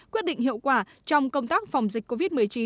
quyết định hiệu quả trong công tác phòng dịch covid một mươi chín